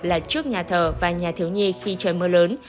là trước nhà thờ và nhà thiếu nhi khi trời mưa lớn